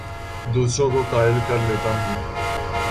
دوسروں کو قائل کر لیتا ہوں